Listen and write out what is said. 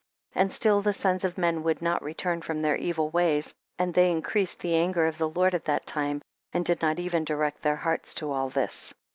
12. And still the sons of men would not return from their evil ways, and they increased the anger of the Lord at that time, and did not even direct their hearts to all this.